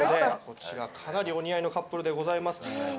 こちらかなりお似合いのカップルでございます。